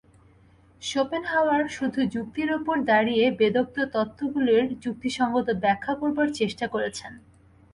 Schopenhauer শুধু যুক্তির উপর দাঁড়িয়ে বেদোক্ত তত্ত্বগুলির যুক্তিসঙ্গত ব্যাখ্যা করবার চেষ্টা করেছেন।